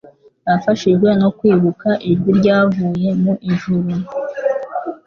Afashijwe no kwibuka ijwi ryavuye mu ijuru,